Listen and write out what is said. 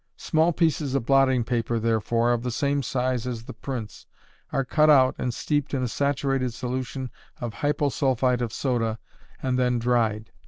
Small pieces of blotting paper, therefore, of the same size as the prints, are cut out and steeped in a saturated solution of hyposulphite of soda and then dried.